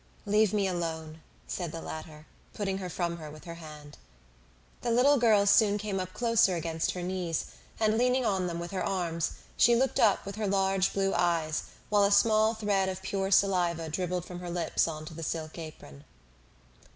"Leave me alone," said the latter, putting her from her with her hand. The little girl soon came up closer against her knees, and leaning on them with her arms, she looked up with her large blue eyes, while a small thread of pure saliva dribbled from her lips on to the silk apron.